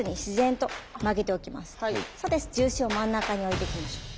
重心を真ん中に置いていきましょう。